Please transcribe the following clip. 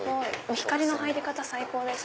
光の入り方最高ですね。